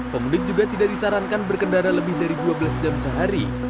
pemudik juga tidak disarankan berkendara lebih dari dua belas jam sehari